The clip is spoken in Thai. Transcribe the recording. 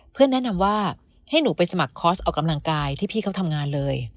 แนะนำว่าให้หนูไปสมัครคอร์สออกกำลังกายที่พี่เขาทำงานเลย